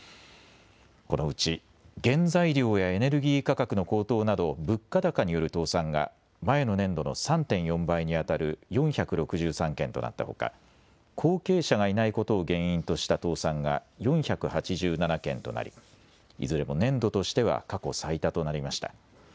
このうち原材料やエネルギー価格の高騰など物価高による倒産が前の年度の３．４倍にあたる４６３件となったほか後継者がいないことを原因とした倒産が４８７件となりいずれも年度としては過去最多となりました。